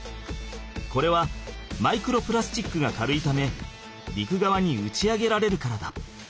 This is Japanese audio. これはマイクロプラスチックが軽いため陸側に打ち上げられるからだ。